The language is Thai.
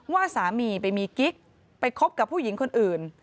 ว่าสามีไปมีกิ๊กไปคบกับผู้หญิงคนอื่น